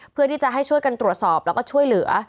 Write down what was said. เพื่อที่จะให้ช่วยกันตรวจสอบแล้วก็ช่วยเหลือ